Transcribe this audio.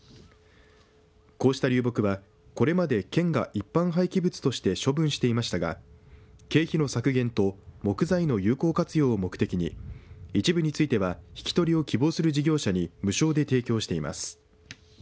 こうした流木はこれまで県が一般廃棄物として処分していましたが経費の削減と木材の有効活用を目的に一部については引き取りを希望する事業者に無償で提供しています。